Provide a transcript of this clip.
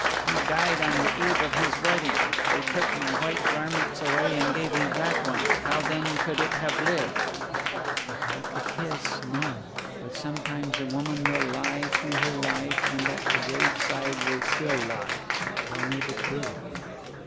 "He died on the eve of his wedding. They took my white garments away and gave me black ones. How then could it have lived?" "Without the kiss, no.... But sometimes a woman will lie through her life, and at the graveside still will lie.... Tell me the truth."